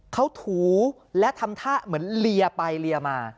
เขาถูและทำท่าเหมือนเลียไปเลียมา